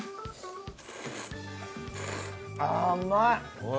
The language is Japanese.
ああーうまい！